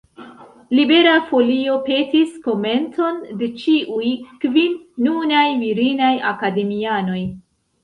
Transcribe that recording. Libera Folio petis komenton de ĉiuj kvin nunaj virinaj akademianoj.